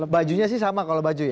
baju nya sih sama kalau baju ya